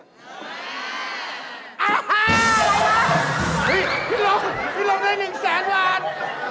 อ้าวพี่ลูกพี่ลูกได้หนึ่งแสนล้าน